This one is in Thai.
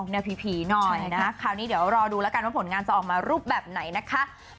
เราติดตามงานเนาะ